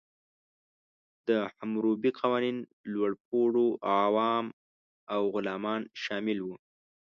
د حموربي قوانین لوړپوړو، عوام او غلامان شامل وو.